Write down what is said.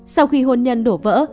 sau khi hôn nhân đổ vỡ